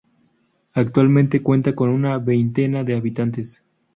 Actualmente cuenta con una veintena de habitantes.